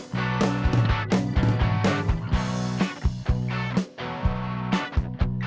โปรดติดตามตอนต่อไป